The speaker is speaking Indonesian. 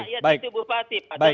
karena yang punya rakyat itu bupati